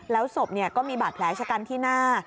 แล้วศพก็มีบาดแผลชะกันที่หน้า